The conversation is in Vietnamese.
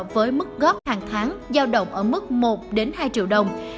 với mức góp hàng tháng giao động ở mức một hai triệu đồng